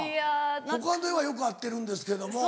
他ではよく会ってるんですけども。